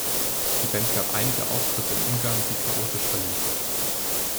Die Band gab einige Auftritte in Ungarn, die chaotisch verliefen.